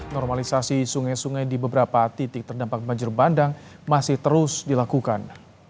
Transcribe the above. normalisasi sungai sungai di beberapa titik terdampak banjir bandang masih terus dilakukan